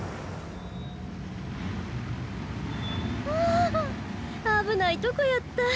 ああ危ないとこやった。